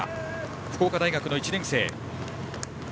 福岡大学の１年生。